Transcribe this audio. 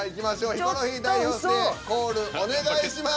ヒコロヒー代表してコールお願いします。